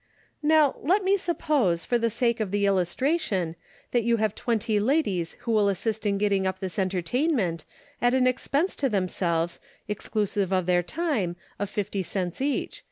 /'Now let me suppose, for the sake of the illustration, that you have twenty ladies who will assist in getting up this entertainment, at an expense to themselves, exclusive of their time, of fifty cents each.